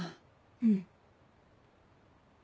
うん。